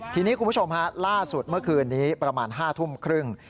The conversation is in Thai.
ทีนี้คุณผู้ชมฮะล่าสุดเมื่อคืนนี้ประมาณ๕ทุ่มครึ่ง